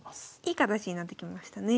いい形になってきましたね。